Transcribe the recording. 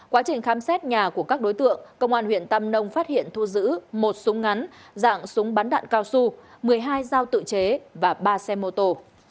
quá trình khám xét nhà của các đối tượng công an huyện tam nông phát hiện thu giữ một súng ngắn dạng súng bắn đạn cao su một mươi hai dao tự chế và ba xe mô tô